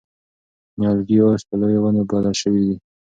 نیالګي اوس په لویو ونو بدل شوي دي.